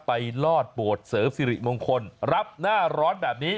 ลอดโบสถ์เสริมสิริมงคลรับหน้าร้อนแบบนี้